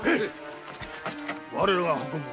我らが運ぶ。